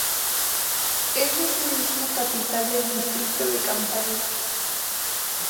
Es asimismo capital del distrito de Campanilla.